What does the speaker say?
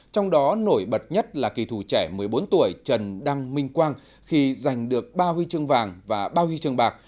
trong đó nổi bật nhất là kỳ thủ trẻ một mươi bốn tuổi trần đăng minh quang khi giành được ba huy chương vàng và ba huy chương bạc